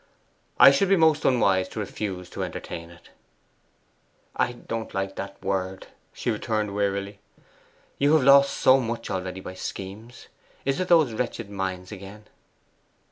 I should be most unwise to refuse to entertain it.' 'I don't like that word,' she returned wearily. 'You have lost so much already by schemes. Is it those wretched mines again?